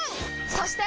そして！